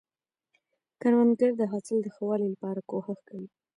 کروندګر د حاصل د ښه والي لپاره کوښښ کوي